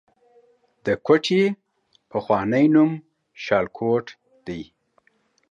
د کوټې پخوانی نوم شالکوټ دی